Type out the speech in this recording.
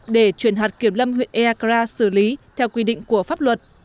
để chuyển hạt kiểm lâm huyện eakar xử lý theo quy định của pháp luật